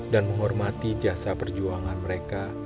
dan menghormati jasa perjuangan mereka